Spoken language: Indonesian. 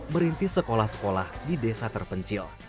merintis sekolah sekolah di desa terpencil